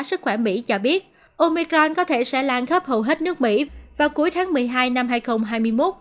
sức khỏe mỹ cho biết omicron có thể sẽ lan khắp hầu hết nước mỹ vào cuối tháng một mươi hai năm hai nghìn hai mươi một